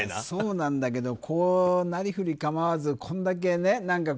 そうなんだけどなりふり構わずこれだけね。